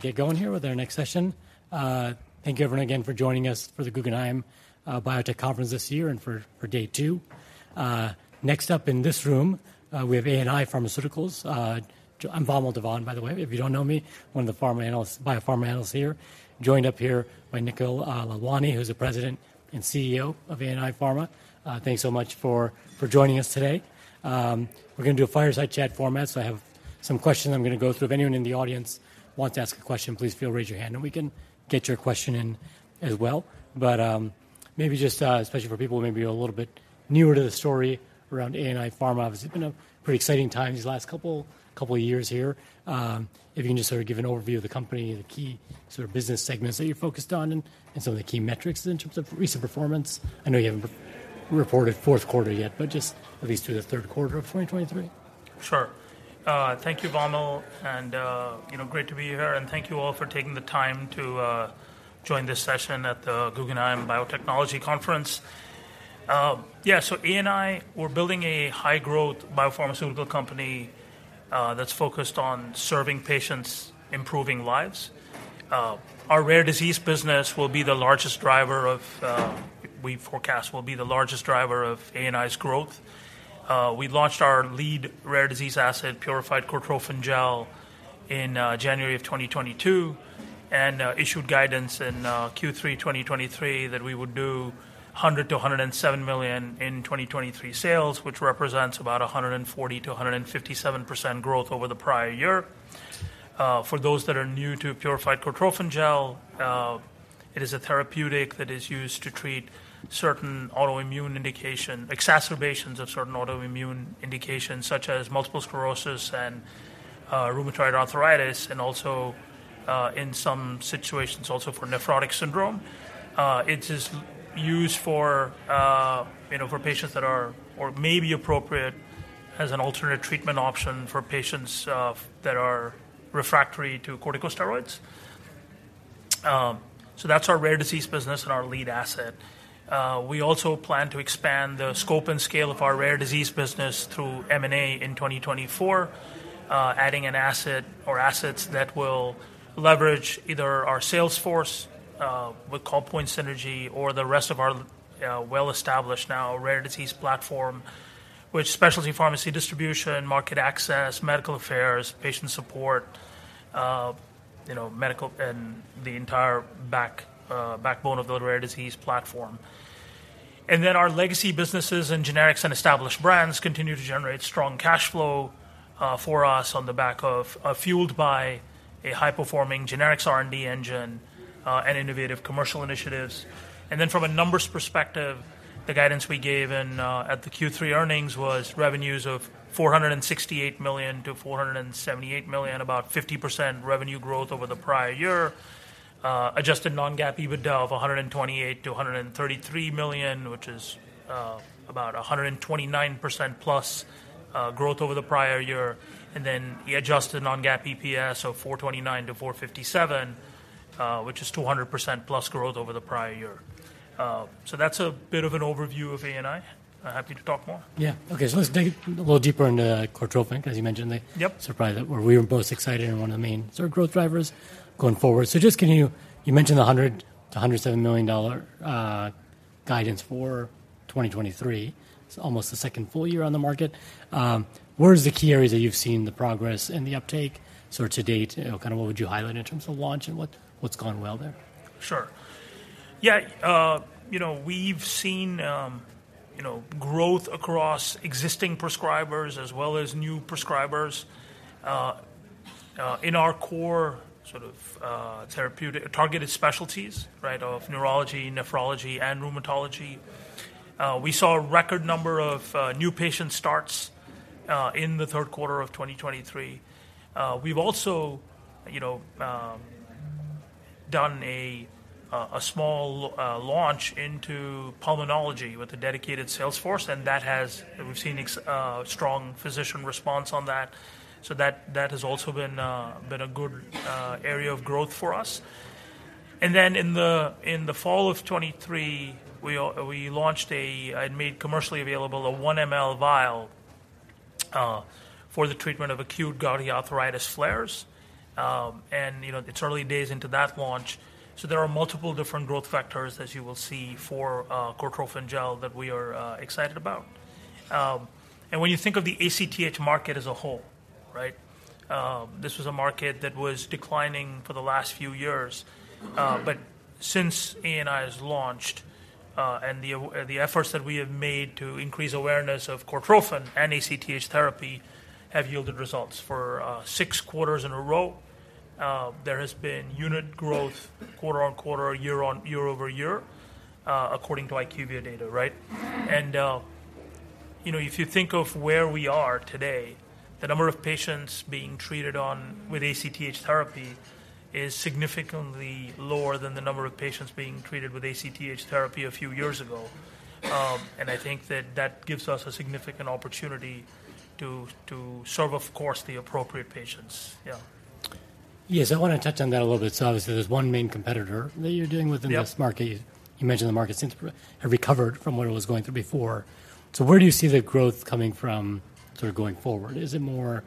Get going here with our next session. Thank you everyone again for joining us for the Guggenheim Biotech Conference this year and for day two. Next up in this room, we have ANI Pharmaceuticals. I'm Vamil Divan, by the way, if you don't know me, one of the pharma analysts—biopharma analysts here. Joined up here by Nikhil Lalwani, who's the President and CEO of ANI Pharma. Thanks so much for joining us today. We're gonna do a fireside chat format, so I have some questions I'm gonna go through. If anyone in the audience wants to ask a question, please feel, raise your hand, and we can get your question in as well. But, maybe just, especially for people who may be a little bit newer to the story around ANI Pharma, obviously, been a pretty exciting time these last couple years here. If you can just sort of give an overview of the company, the key sort of business segments that you're focused on and some of the key metrics in terms of recent performance. I know you haven't reported fourth quarter yet, but just at least through the third quarter of 2023. Sure. Thank you, Vamil, and, you know, great to be here, and thank you all for taking the time to join this session at the Guggenheim Biotechnology Conference. Yeah, so ANI, we're building a high-growth biopharmaceutical company that's focused on serving patients, improving lives. Our rare disease business will be the largest driver of we forecast will be the largest driver of ANI's growth. We launched our lead rare disease asset, Purified Cortrophin Gel, in January of 2022, and issued guidance in Q3 2023, that we would do $100 miilion-$107 million in 2023 sales, which represents about 140%-157% growth over the prior year. For those that are new to Purified Cortrophin Gel, it is a therapeutic that is used to treat certain autoimmune indication- exacerbations of certain autoimmune indications, such as multiple sclerosis and rheumatoid arthritis, and also, in some situations, also for nephrotic syndrome. It is used for, you know, for patients that are or may be appropriate as an alternate treatment option for patients that are refractory to corticosteroids. So that's our rare disease business and our lead asset. We also plan to expand the scope and scale of our rare disease business through M&A in 2024, adding an asset or assets that will leverage either our sales force, with call point synergy or the rest of our well-established now rare disease platform, with specialty pharmacy distribution, market access, medical affairs, patient support, you know, medical and the entire back, backbone of the rare disease platform. And then our legacy businesses and generics and established brands continue to generate strong cash flow for us on the back of fueled by a high-performing generics R&D engine and innovative commercial initiatives. And then from a numbers perspective, the guidance we gave in at the Q3 earnings was revenues of $468 million-$478 million, about 50% revenue growth over the prior year. Adjusted non-GAAP EBITDA of $128 million-$133 million, which is about 129%+ growth over the prior year. And then the adjusted non-GAAP EPS of $4.29-$4.57, which is 200%+ growth over the prior year. So that's a bit of an overview of ANI. I'm happy to talk more. Yeah. Okay, so let's dig a little deeper into Cortrophin, as you mentioned, the- Yep. Surprise, where we were both excited and one of the main sort of growth drivers going forward. So just can you... You mentioned the $100-$107 million guidance for 2023. It's almost the second full year on the market. Where are the key areas that you've seen the progress and the uptake sort of to date? You know, kind of what would you highlight in terms of launch and what, what's gone well there? Sure. Yeah, you know, we've seen growth across existing prescribers as well as new prescribers in our core sort of therapeutic-targeted specialties, right, of neurology, nephrology, and rheumatology. We saw a record number of new patient starts in the third quarter of 2023. We've also, you know, done a small launch into pulmonology with a dedicated sales force, and that has. We've seen strong physician response on that. So that has also been a good area of growth for us. And then in the fall of 2023, we launched and made commercially available a 1 mL vial for the treatment of acute gouty arthritis flares. And, you know, it's early days into that launch, so there are multiple different growth factors, as you will see, for Cortrophin Gel that we are excited about. And when you think of the ACTH market as a whole, right, this was a market that was declining for the last few years. But since ANI has launched, and the efforts that we have made to increase awareness of Cortrophin and ACTH therapy have yielded results. For six quarters in a row, there has been unit growth quarter-on-quarter, year-on-year, according to IQVIA data, right? And, you know, if you think of where we are today, the number of patients being treated on with ACTH therapy is significantly lower than the number of patients being treated with ACTH therapy a few years ago. I think that that gives us a significant opportunity to, to serve, of course, the appropriate patients. Yeah. Yes, I want to touch on that a little bit. So obviously, there's one main competitor that you're dealing with- Yep... in this market. You mentioned the market seems to have recovered from what it was going through before. So where do you see the growth coming from, sort of going forward? Is it more...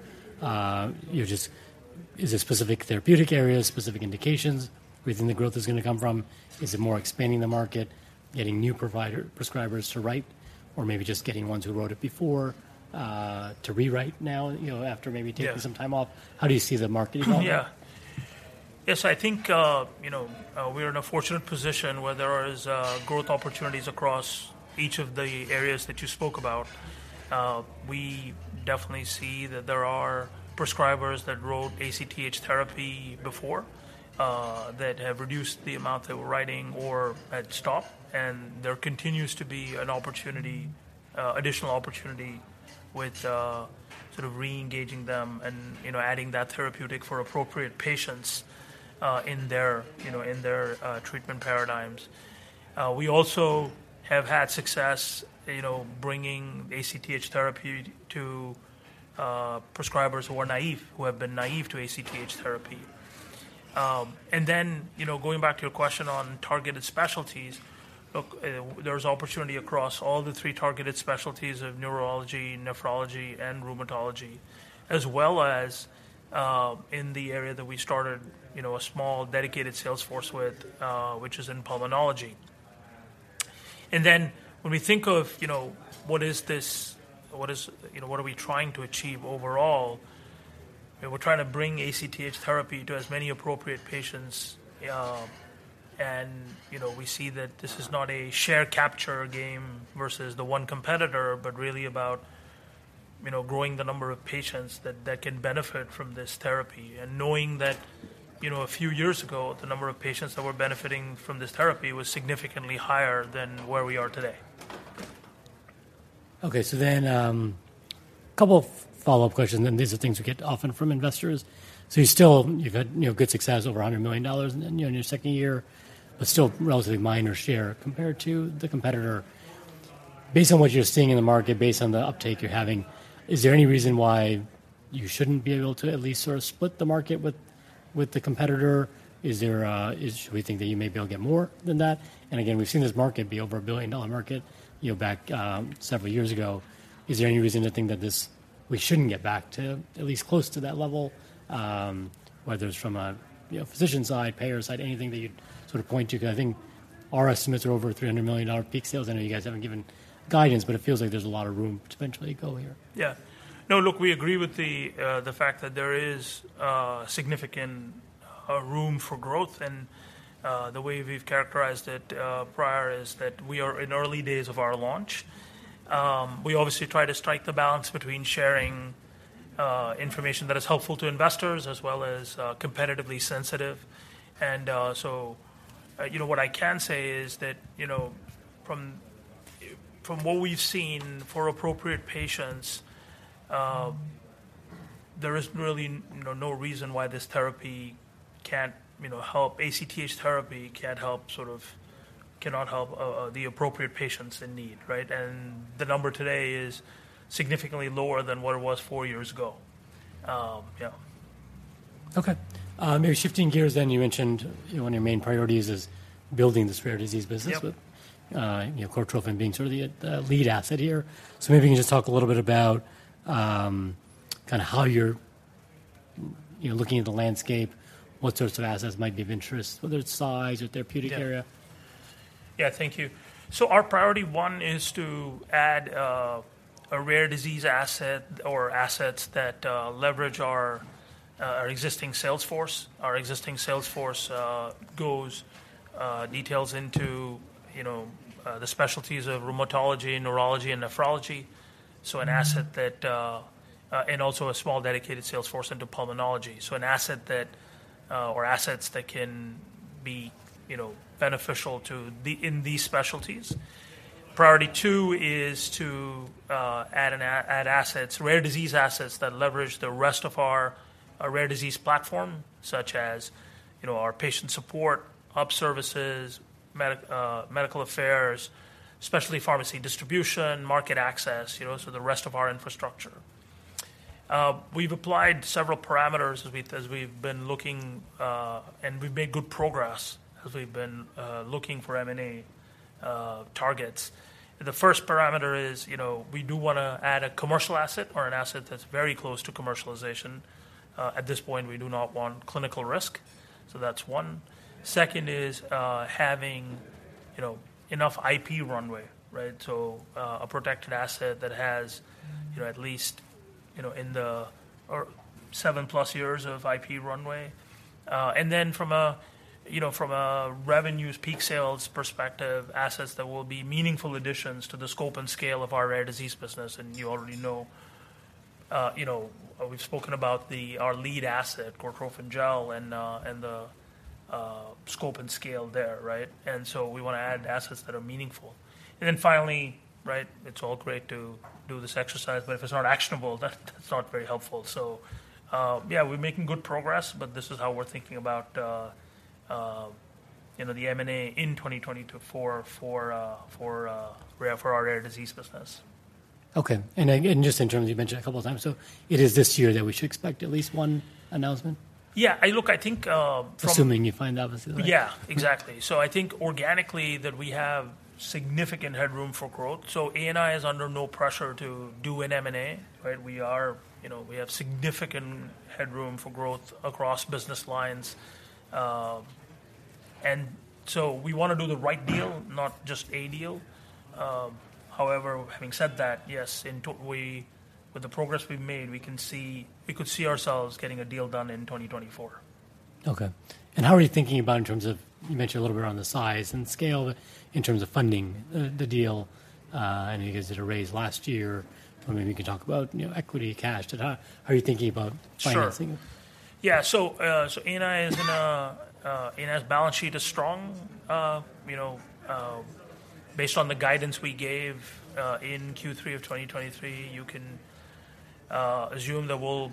Is it specific therapeutic areas, specific indications, where you think the growth is gonna come from? Is it more expanding the market, getting new prescribers to write, or maybe just getting ones who wrote it before, to rewrite now, you know, after maybe- Yeah. Taking some time off? How do you see the market evolving? Yeah. Yes, I think, you know, we are in a fortunate position where there is growth opportunities across each of the areas that you spoke about. We definitely see that there are prescribers that wrote ACTH therapy before, that have reduced the amount they were writing or had stopped, and there continues to be an opportunity, additional opportunity with sort of reengaging them and, you know, adding that therapeutic for appropriate patients, in their, you know, treatment paradigms. We also have had success, you know, bringing ACTH therapy to prescribers who are naive, who have been naive to ACTH therapy. And then, you know, going back to your question on targeted specialties, look, there's opportunity across all the three targeted specialties of neurology, nephrology, and rheumatology, as well as, in the area that we started, you know, a small, dedicated sales force with, which is in pulmonology. And then when we think of, you know, what are we trying to achieve overall? We're trying to bring ACTH therapy to as many appropriate patients, and, you know, we see that this is not a share capture game versus the one competitor, but really about, you know, growing the number of patients that can benefit from this therapy. And knowing that, you know, a few years ago, the number of patients that were benefiting from this therapy was significantly higher than where we are today. Okay, so then, a couple of follow-up questions, and these are things we get often from investors. So you still, you've had, you know, good success, over $100 million in, you know, in your second year, but still relatively minor share compared to the competitor. Based on what you're seeing in the market, based on the uptake you're having, is there any reason why you shouldn't be able to at least sort of split the market with the competitor? Is there, do we think that you may be able to get more than that? And again, we've seen this market be over a billion-dollar market, you know, back several years ago. Is there any reason to think that this, we shouldn't get back to at least close to that level, whether it's from a, you know, physician side, payer side, anything that you'd sort of point to? Because I think our estimates are over $300 million dollar peak sales. I know you guys haven't given guidance, but it feels like there's a lot of room to potentially go here. Yeah. No, look, we agree with the fact that there is significant room for growth, and the way we've characterized it prior is that we are in early days of our launch. We obviously try to strike the balance between sharing information that is helpful to investors as well as competitively sensitive. And so, you know, what I can say is that, you know, from what we've seen for appropriate patients, there is really, you know, no reason why this therapy can't, you know, help-ACTH therapy can't help, sort of, cannot help the appropriate patients in need, right? And the number today is significantly lower than what it was four years ago. Yeah. Okay. Maybe shifting gears then. You mentioned, you know, one of your main priorities is building this rare disease business- Yep. You know, Cortrophin being sort of the lead asset here. So maybe you can just talk a little bit about kinda how you're, you know, looking at the landscape, what sorts of assets might be of interest, whether it's size or therapeutic area? Yeah. Yeah, thank you. So our priority one is to add a rare disease asset or assets that leverage our existing sales force. Our existing sales force details into, you know, the specialties of rheumatology, neurology, and nephrology. So an asset that, and also a small, dedicated sales force into pulmonology. So an asset that or assets that can be, you know, beneficial in these specialties. Priority two is to add assets, rare disease assets, that leverage the rest of our rare disease platform, such as, you know, our patient support, hub services, medical affairs, specialty pharmacy distribution, market access, you know, so the rest of our infrastructure. We've applied several parameters as we've been looking, and we've made good progress as we've been looking for M&A targets. The first parameter is, you know, we do wanna add a commercial asset or an asset that's very close to commercialization. At this point, we do not want clinical risk. So that's one. Second is, having, you know, enough IP runway, right? So, a protected asset that has, you know, at least 7+ years of IP runway. And then from a, you know, from a revenue peak sales perspective, assets that will be meaningful additions to the scope and scale of our rare disease business, and you already know, you know, we've spoken about our lead asset, Cortrophin Gel, and the scope and scale there, right? We wanna add assets that are meaningful. Then finally, right, it's all great to do this exercise, but if it's not actionable, that's not very helpful. Yeah, we're making good progress, but this is how we're thinking about, you know, the M&A in 2024 for our rare disease business. Okay. Again, just in terms of, you mentioned a couple times, so it is this year that we should expect at least one announcement? Yeah. Look, I think, from- Assuming you find out- Yeah, exactly. So I think organically, that we have significant headroom for growth. So ANI is under no pressure to do an M&A, right? We are, you know, we have significant headroom for growth across business lines. So we wanna do the right deal, not just a deal. However, having said that, yes, we, with the progress we've made, we could see ourselves getting a deal done in 2024. Okay. And how are you thinking about in terms of, you mentioned a little bit around the size and scale, in terms of funding the, the deal? I know you guys did a raise last year, or maybe you could talk about, you know, equity, cash, debt. How are you thinking about financing? Sure. Yeah, so ANI's balance sheet is strong. You know, based on the guidance we gave in Q3 of 2023, you can assume that we'll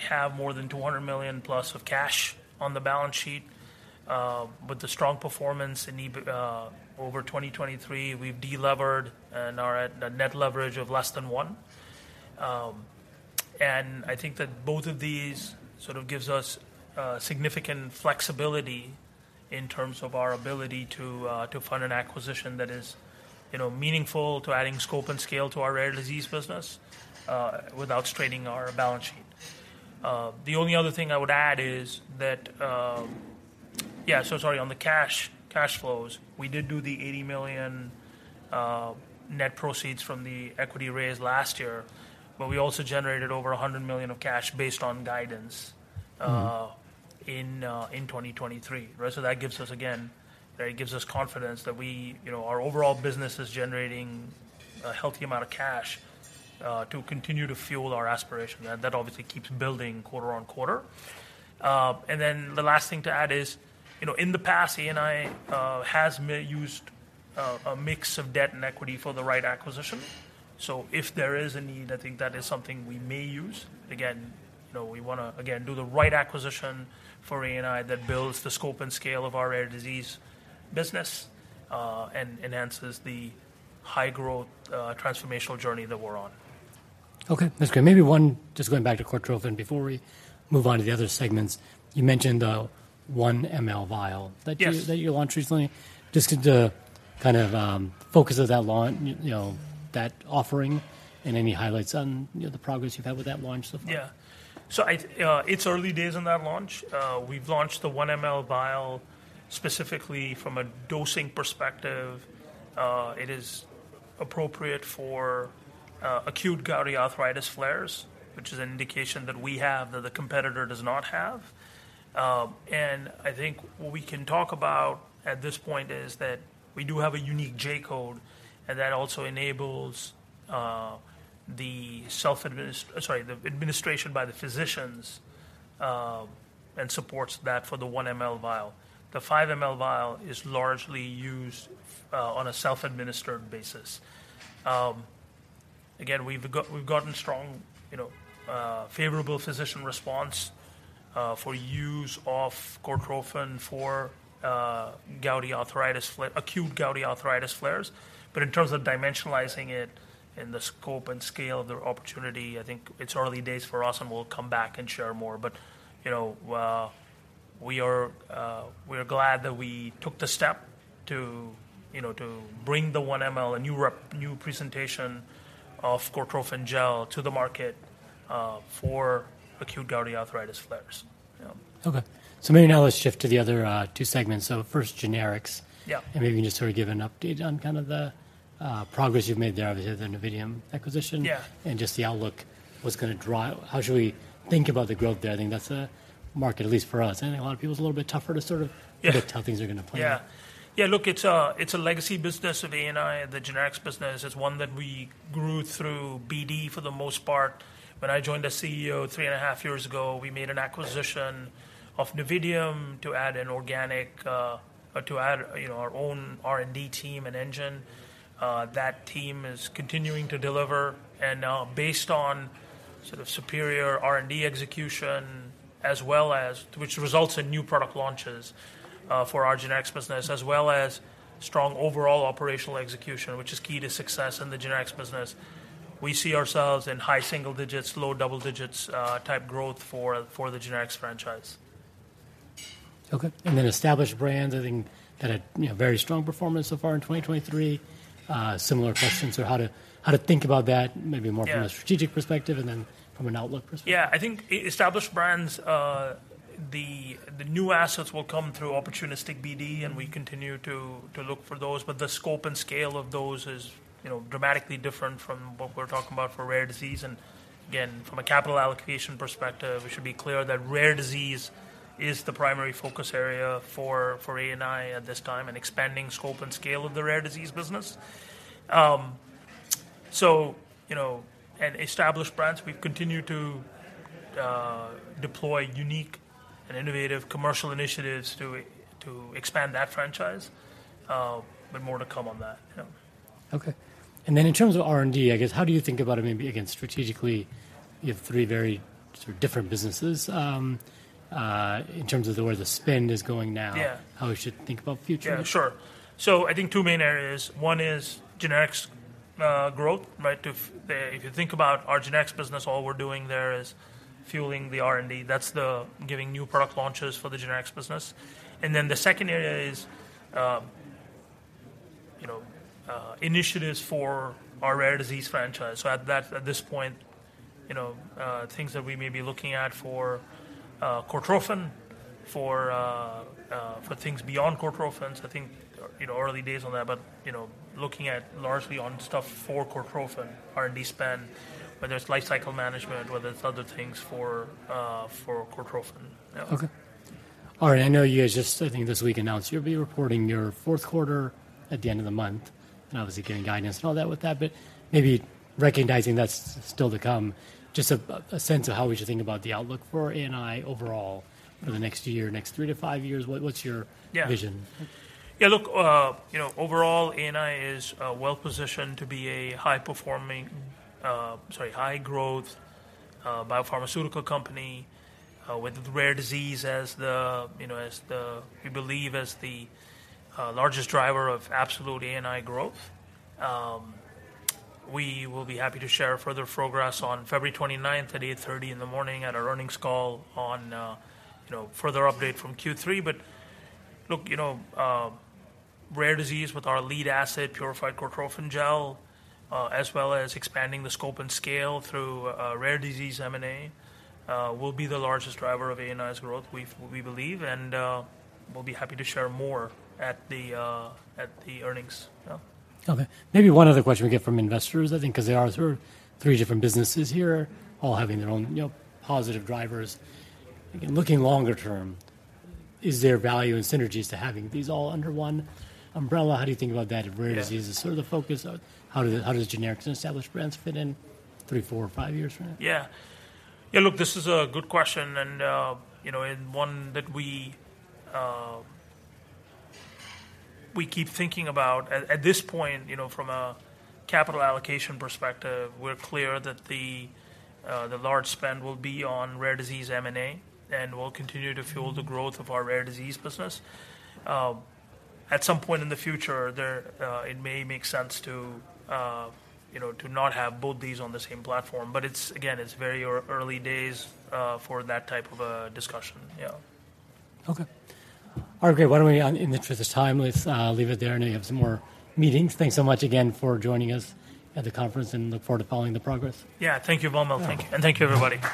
have more than $200 million+ of cash on the balance sheet. With the strong performance in EBITDA over 2023, we've de-levered and are at a net leverage of less than one. And I think that both of these sort of gives us significant flexibility in terms of our ability to fund an acquisition that is, you know, meaningful to adding scope and scale to our rare disease business, without straining our balance sheet. The only other thing I would add is that... Yeah, so sorry, on the cash, cash flows, we did do the $80 million net proceeds from the equity raise last year, but we also generated over $100 million of cash based on guidance- Mm-hmm... in 2023. Right? So that gives us, again, that gives us confidence that we, you know, our overall business is generating a healthy amount of cash to continue to fuel our aspiration, and that obviously keeps building quarter on quarter. And then the last thing to add is, you know, in the past, ANI has used a mix of debt and equity for the right acquisition. So if there is a need, I think that is something we may use. Again, you know, we wanna, again, do the right acquisition for ANI that builds the scope and scale of our rare disease business, and enhances the high growth transformational journey that we're on. Okay, that's good. Maybe one, just going back to Cortrophin before we move on to the other segments. You mentioned the 1 mL vial- Yes... that you launched recently. Just could you kind of, focus on that launch, you know, that offering and any highlights on, you know, the progress you've had with that launch so far? Yeah. So I, it's early days on that launch. We've launched the 1 mL vial specifically from a dosing perspective. It is appropriate for acute gouty arthritis flares, which is an indication that we have that the competitor does not have. And I think what we can talk about at this point is that we do have a unique J code, and that also enables the administration by the physicians and supports that for the 1 mL vial. The 5 mL vial is largely used on a self-administered basis. Again, we've gotten strong, you know, favorable physician response for use of Cortrophin for acute gouty arthritis flares. But in terms of dimensionalizing it and the scope and scale of the opportunity, I think it's early days for us, and we'll come back and share more. But, you know, we are glad that we took the step to, you know, to bring the 1 mL, a new presentation of Cortrophin Gel to the market, for acute gouty arthritis flares. Yeah. Okay. So maybe now let's shift to the other two segments. So first, generics. Yeah. Maybe you can just sort of give an update on kind of the progress you've made there, obviously, the Novitium acquisition. Yeah. And just the outlook, what's gonna drive... How should we think about the growth there? I think that's a market, at least for us and a lot of people. It's a little bit tougher to sort of- Yeah - predict how things are gonna play out. Yeah. Yeah, look, it's a legacy business of ANI. The generics business is one that we grew through BD for the most part. When I joined as CEO three and a half years ago, we made an acquisition of Novitium to add an organic or to add, you know, our own R&D team and engine. That team is continuing to deliver, and based on sort of superior R&D execution, as well as which results in new product launches for our generics business, as well as strong overall operational execution, which is key to success in the generics business. We see ourselves in high single digits, low double digits type growth for the generics franchise. Okay, and then established brands, I think, that had, you know, very strong performance so far in 2023. Similar questions on how to, how to think about that, maybe more- Yeah... from a strategic perspective and then from an outlook perspective. Yeah, I think established brands, the new assets will come through opportunistic BD, and we continue to look for those. But the scope and scale of those is, you know, dramatically different from what we're talking about for rare disease. And again, from a capital allocation perspective, we should be clear that rare disease is the primary focus area for ANI at this time, and expanding scope and scale of the rare disease business. So you know, at established brands, we've continued to deploy unique and innovative commercial initiatives to expand that franchise, but more to come on that, yeah. Okay. And then in terms of R&D, I guess, how do you think about it, maybe again, strategically, you have three very sort of different businesses, in terms of the way the spend is going now- Yeah... how we should think about future? Yeah, sure. So I think two main areas. One is generics growth, right? If you think about our generics business, all we're doing there is fueling the R&D. That's the giving new product launches for the generics business. And then the second area is initiatives for our rare disease franchise. So at that, at this point, you know, things that we may be looking at for Cortrophin, for things beyond Cortrophin. So I think, you know, early days on that, but, you know, looking at largely on stuff for Cortrophin, R&D spend, whether it's lifecycle management, whether it's other things for Cortrophin. Yeah. Okay. All right, I know you guys just, I think, this week announced you'll be reporting your fourth quarter at the end of the month, and obviously getting guidance and all that with that. But maybe recognizing that's still to come, just a sense of how we should think about the outlook for ANI overall for the next year, next 3-5 years. What, what's your- Yeah. -vision? Yeah, look, you know, overall, ANI is well-positioned to be a high-performing, sorry, high-growth biopharmaceutical company with rare disease as the, you know, as the, we believe, as the largest driver of absolute ANI growth. We will be happy to share further progress on February twenty-ninth at 8:30 A.M. at our earnings call on, you know, further update from Q3. But look, you know, rare disease with our lead asset, Purified Cortrophin Gel, as well as expanding the scope and scale through rare disease M&A, will be the largest driver of ANI's growth. We believe, and we'll be happy to share more at the earnings. Yeah. Okay. Maybe one other question we get from investors, I think, because there are sort of three different businesses here, all having their own, you know, positive drivers. Again, looking longer term, is there value and synergies to having these all under one umbrella? How do you think about that? Yeah. -in rare diseases? Sort of the focus of how do the generics and established brands fit in three, four, or five years from now? Yeah. Yeah, look, this is a good question, and, you know, and one that we, we keep thinking about. At this point, you know, from a capital allocation perspective, we're clear that the, the large spend will be on rare disease M&A and will continue to fuel the growth of our rare disease business. At some point in the future, there, it may make sense to, you know, to not have both these on the same platform. But it's, again, it's very early days, for that type of a discussion. Yeah. Okay. Okay, why don't we, in the interest of time, let's, leave it there. I know you have some more meetings. Thanks so much again for joining us at the conference, and look forward to following the progress. Yeah. Thank you, Vamil. Yeah. Thank you, everybody.